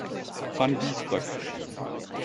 Van Biesbroeck.